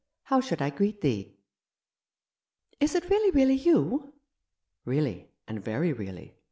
HOW SHOULD I GREET THEE ?"" Is it really, really you ?"" Really, and very really.